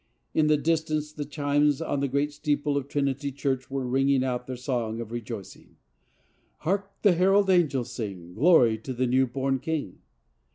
In the distance the chimes on the great steeple of Trinity Church were ringing out their song of rejoicing: " Hark! the herald angels sing Glory to the new born King."